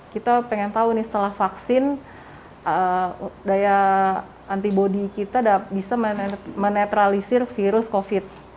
kita pengen tahu nih setelah vaksin daya antibody kita bisa menetralisir virus covid